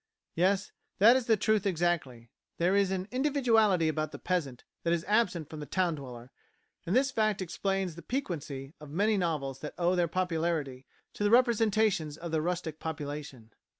Yes; that is the truth exactly. There is an individuality about the peasant that is absent from the town dweller, and this fact explains the piquancy of many novels that owe their popularity to the representations of the rustic population.